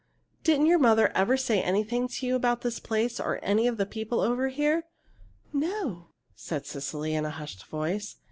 Didn't your mother ever say anything to you about this place or any of the people over here?" "No," said Cecily, in a hushed voice.